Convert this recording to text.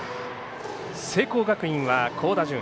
聖光学院は好打順。